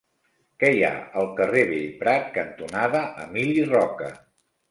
Què hi ha al carrer Bellprat cantonada Emili Roca?